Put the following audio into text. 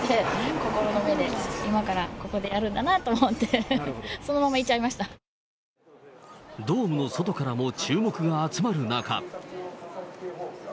心の目で、今からここでやるんだなと思って、そのままいちゃいまドームの外からも注目が集まる中。